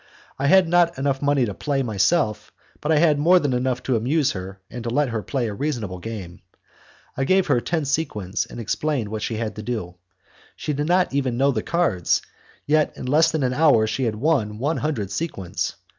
I had not money enough to play myself, but I had more than enough to amuse her and to let her play a reasonable game. I gave her ten sequins, and explained what she had to do. She did not even know the cards, yet in less than an hour she had won one hundred sequins.